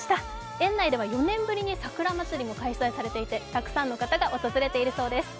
園内では４年ぶりに桜祭りも開催されていて、たくさんの方が訪れているそうです。